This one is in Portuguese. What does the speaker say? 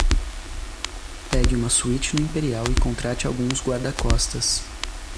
Pegue uma suíte no Imperial e contrate alguns guarda-costas.